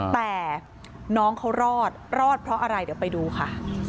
แต่น้องเขารอดรอดเพราะอะไรเดี๋ยวไปดูค่ะ